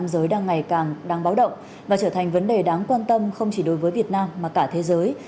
giới đang ngày càng đang báo động và trở thành vấn đề đáng quan tâm không chỉ đối với việt nam mà cả thế giới